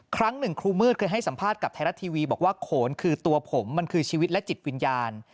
ครั้งหนึ่งครูมืดเคยให้สัมภาษณ์กับไทยรัฐทีวีบอกว่าโขนคือตัวผมมันคือชีวิตและจิตวิญญาณ